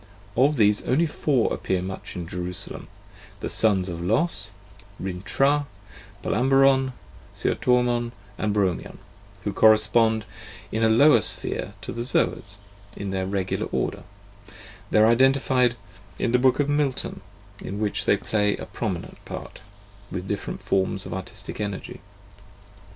Of these only four appear much in "Jerusalem," the \" Sons of Los," Rintrah, Palamabron, Theotormon, and Bromion, who correspond in a lower sphere to the Zoas in their regular order: they are identified in the book of " Milton," in which they play a prominent part, with different forms of artistic energy.